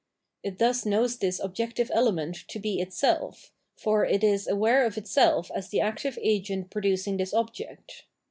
It thus knows this objective element to be itself, for it is aware of itself as the active agent producing this object.